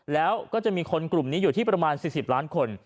แล้วก็จะมีคนกลุ่มนี้อยู่ที่ประมาณ๔๐ล้านคน